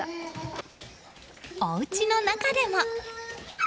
おうちの中でも。